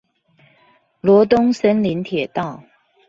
羅東森林鐵道